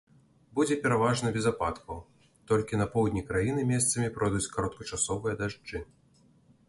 Будзе пераважна без ападкаў, толькі на поўдні краіны месцамі пройдуць кароткачасовыя дажджы.